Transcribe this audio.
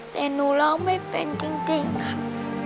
แต่หนูร้องไม่เป็นจริงค่ะ